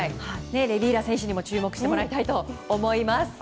レビーラ選手にも注目してもらいたいと思います。